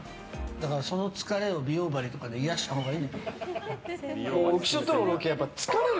だからその疲れを美容鍼で癒やしたほうがいい。